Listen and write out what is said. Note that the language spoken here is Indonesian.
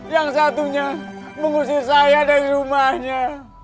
yang satunya mengusir saya dari rumahnya